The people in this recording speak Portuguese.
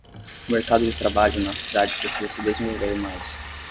O Mercado de trabalho na cidade precisa se desenvolver mais